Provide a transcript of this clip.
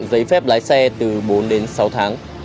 giấy phép lái xe từ bốn sáu tháng